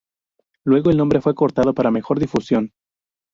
Luego, el nombre fue acortado para mejor difusión.